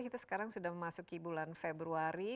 kita sekarang sudah memasuki bulan februari